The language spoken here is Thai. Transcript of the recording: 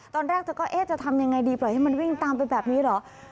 ตอนแรกเธอก็เอ๊ะจะทำยังไงดีปล่อยให้มันวิ่งตามไปแบบนี้เหรอ